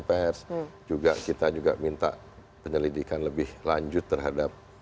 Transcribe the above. jadi itu juga kita minta penyelidikan lebih lanjut terhadap